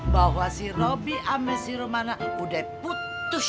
bahwa si robby sama si romana udah putus